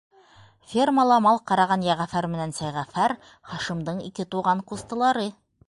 Фермала мал ҡараған Йәғәфәр менән Сәйғәфәр - Хашимдың ике туған ҡустылары.